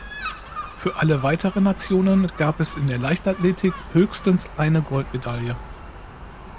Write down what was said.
Für alle weiteren Nationen gab es in der Leichtathletik höchstens eine Goldmedaille.